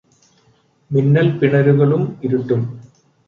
മിന്നല്പിണരുകളും ഇരുട്ടും